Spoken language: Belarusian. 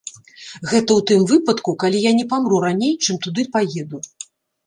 Гэта ў тым выпадку, калі я не памру раней, чым туды паеду.